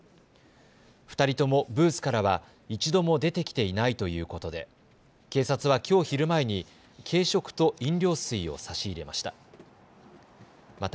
２人ともブースからは一度も出てきていないということで警察はきょう昼前に、軽食と飲料水を差し入れました。